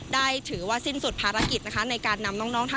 ได้ถือว่าสิ้นสุดภารกิษในการนำน้อง